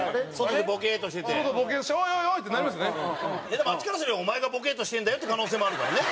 でも、あっちからすればお前がボケッとしてるんだよって可能性もあるからね。